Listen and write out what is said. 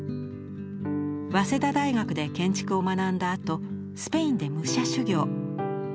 早稲田大学で建築を学んだあとスペインで武者修行。